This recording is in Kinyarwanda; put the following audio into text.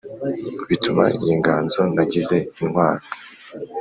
Bituma iyi nganzo nagize intwaro